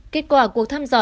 kết quả cuộc thăm dò